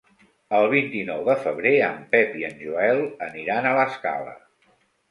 El vint-i-nou de febrer en Pep i en Joel aniran a l'Escala.